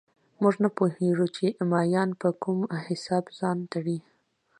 موږ نه پوهېږو چې مایان په کوم حساب ځان تړي